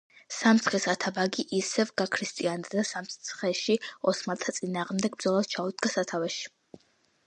სამცხის ათაბაგი ისევ გაქრისტიანდა და სამცხეში ოსმალთა წინააღმდეგ ბრძოლას ჩაუდგა სათავეში.